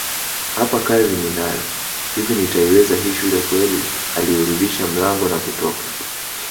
Hapa kazi ninayo hivi nitaiweza hii shule kweli Aliurudisha mlango na kutoka